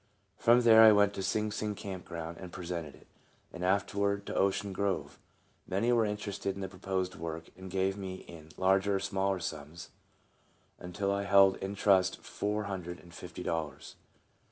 From there I went to Sing Sing camp ground, and presented it, and afterwards to Ocean Grove. Many were interested in the proposed work, and gave me in larger or smaller sums, until I held in trust four hundred and fifty dollars.